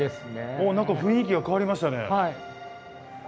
お何か雰囲気が変わりましたね。